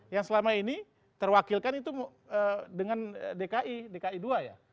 yang selama ini terwakilkan itu dengan dki dki dua ya